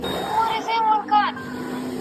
ناسم خوراک ناروغۍ زیاتوي.